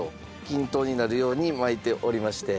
均等になるように巻いておりまして。